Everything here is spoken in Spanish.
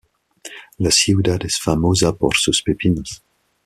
La ciudad es famosa por sus pepinos.